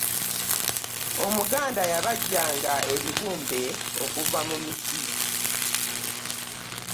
omuganda yabajja nga ebibumbe okuva mu miti